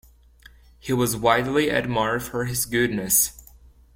He was widely admired for his goodness.